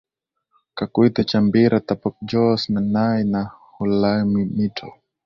Caqueta Chambira Tapajos Nanay na Huallaga mito